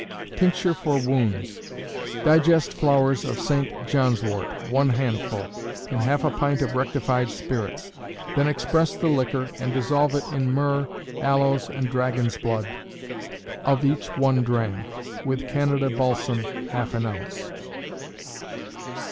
Tincture for Wounds. Digest flowers of St. Johnswart, one handful, in half a pint of rectified spirits, then express the liquor and dissolve it in myrrh, aloes, and dragon's blood, of each one drachm, with Canada balsam, half an ounce.